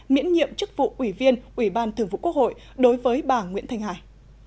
miễn nhiệm chức vụ ủy viên ủy ban thường vụ quốc hội đối với bà nguyễn thanh hải